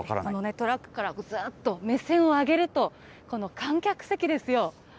トラックからずっと目線を上げると、この観客席ですよ。